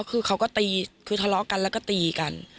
คือเขาก็ตีคือทะเลาะกันแล้วก็ตีกัน